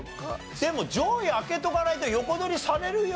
でも上位開けとかないと横取りされるよ？